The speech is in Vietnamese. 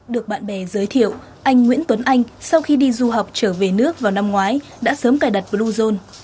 được bạn bè giới thiệu anh nguyễn tuấn anh sau khi đi du học trở về nước vào năm ngoái đã sớm cài đặt bluezone